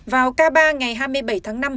vào k ba ngày hai mươi bảy tháng năm